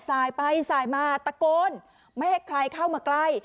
สายไปสายมาตะโกนไม่ให้ใครเข้ามาใกล้